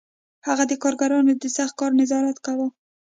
هغه د کارګرانو د سخت کار نظارت کاوه